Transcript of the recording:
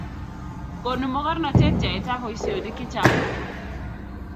konu mokornatet yaetab boisionik che chang'